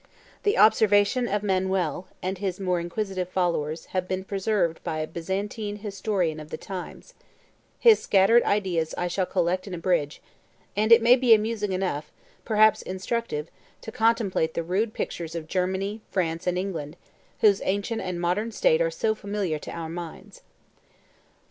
The observations of Manuel, and his more inquisitive followers, have been preserved by a Byzantine historian of the times: 22 his scattered ideas I shall collect and abridge; and it may be amusing enough, perhaps instructive, to contemplate the rude pictures of Germany, France, and England, whose ancient and modern state are so familiar to our minds.